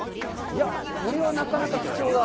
いやこれはなかなか貴重だ。